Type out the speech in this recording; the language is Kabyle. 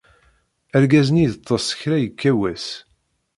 Argaz-nni yeḍḍes kra yekka wass.